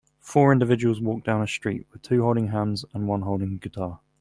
Four individuals walk down a street, with two holding hands and one holding a guitar.